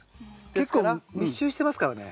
結構密集してますからね。